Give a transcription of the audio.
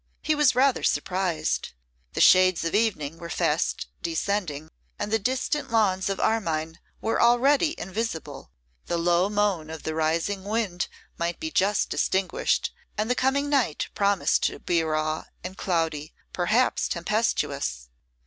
He was rather surprised. The shades of evening were fast descending, and the distant lawns of Armine were already invisible; the low moan of the rising wind might be just distinguished; and the coming night promised to be raw and cloudy, perhaps tempestuous.